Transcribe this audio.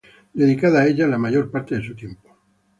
Dedicaba a ellas la mayor parte de su tiempo.